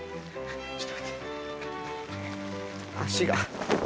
ちょっと待って。